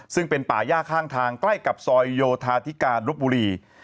ซึ่งเป็นป่าย่าข้างทางใกล้กับซอยโยธาธิการรบบุรี